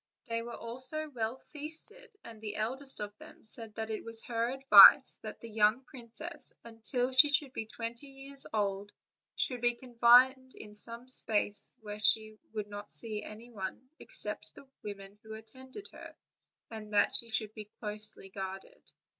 They were also well feasted; and the eld est of them said that it was her advice that the young princess, until she should be twenty years old, should be confined in some place where she would see no one but the women who attended on her, and that she should be closely guarded.